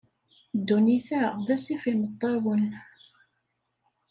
Ddunit-a d asif imeṭṭawen.